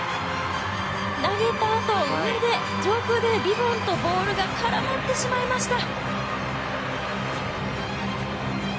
投げたあと上空でリボンとボールが絡まってしまいました。